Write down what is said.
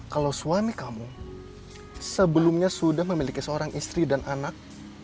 kalau suami kamu sebelumnya sudah memiliki seorang istri dan anak